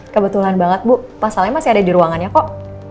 kebetulan banget bu pasalnya masih ada di ruangannya kok